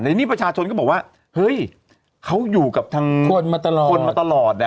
ในนี้ประชาชนก็บอกว่าเฮ้ยเขาอยู่กับทางคนมาตลอดคนมาตลอด